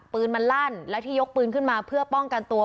ปืนมันลั่นและที่ยกปืนขึ้นมาเพื่อป้องกันตัว